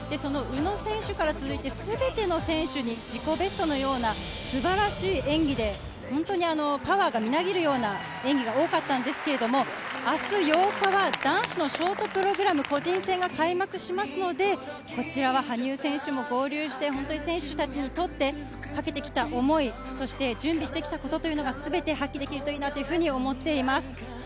宇野選手から続いて、すべての選手に自己ベストのような、すばらしい演技で、パワーがみなぎるような演技が多かったんですけれども、明日８日は男子のショートプログラム、個人戦が開幕しますので、こちらは羽生選手も合流して選手たちにとってかけてきた思い、そして準備してきたことがすべて発揮できるといいなと思います。